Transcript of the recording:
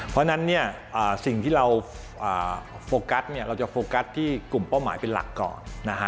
เพราะฉะนั้นสิ่งที่เราโฟกัสเราจะโฟกัสที่กลุ่มเป้าหมายเป็นหลักก่อนนะฮะ